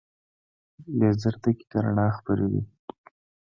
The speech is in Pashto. لیزر دقیقه رڼا خپروي.